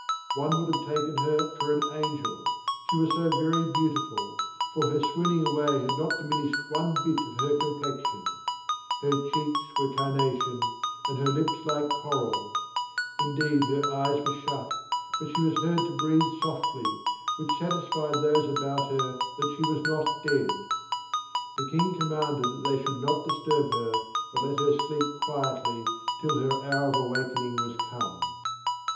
One would have taken her for an angel, she was so very beautiful; for her swooning away had not diminished one bit of her complexion; her cheeks were carnation, and her lips like coral; indeed her eyes were shut, but she was heard to breathe softly, which satisfied those about her that she was not dead. The King commanded that they should not disturb her, but let her sleep quietly till her hour of awakening was come.